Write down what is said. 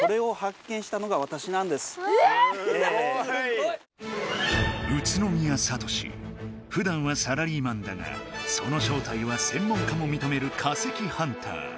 すごい！宇都宮聡ふだんはサラリーマンだがそのしょうたいはせん門家もみとめる化石ハンター。